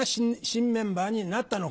新メンバーになった。